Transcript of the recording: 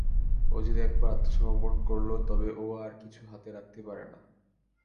ও যদি একবার আত্মসমর্পণ করল, তবে ও আর কিছু হাতে রাখতে পারে না।